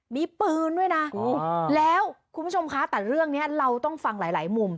มีปืนด้วยนะแล้วคุณผู้ชมคะแต่เรื่องนี้เราต้องฟังหลายมุม